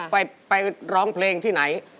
ไปร้องเพลงที่ไหน